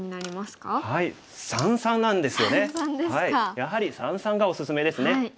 やはり三々がおすすめですね。